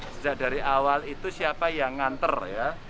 sejak dari awal itu siapa yang nganter ya